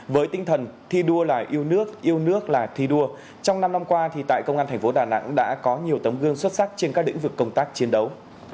với tinh thần thi đua là yêu nước yêu nước là thi đua trong năm năm qua tại công an thành phố đà nẵng đã có nhiều tấm gương xuất sắc trên các lĩnh vực công tác chiến đấu